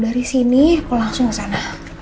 dari sini aku langsung kesana